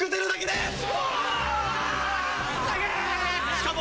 しかも。